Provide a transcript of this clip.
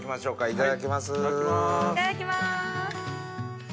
いただきます！